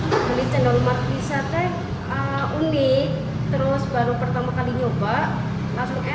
ini cendol markisa teh unik terus baru pertama kali nyoba langsung enak